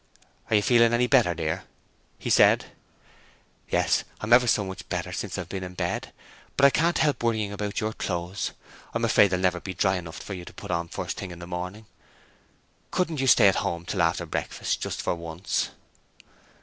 'Are you feeling any better, dear?' he said. 'Yes, I'm ever so much better since I've been in bed, but I can't help worrying about your clothes. I'm afraid they'll never be dry enough for you to put on the first thing in the morning. Couldn't you stay at home till after breakfast, just for once?'